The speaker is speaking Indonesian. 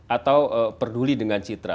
atau perduli dengan citra